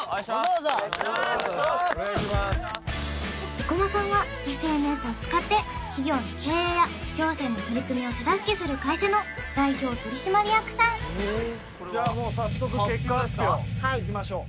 生駒さんはＳＮＳを使って企業の経営や行政の取り組みを手助けする会社の代表取締役さんじゃもう早速結果発表いきましょう